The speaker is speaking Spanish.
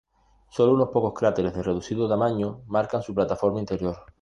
Sólo unos pocos cráteres de reducido tamaño marcan su plataforma interior.